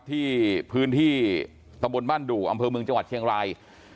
ที่พื้นที่ตะบนบ้านดู่อำเภอเมืองจังหวัดเชียงราย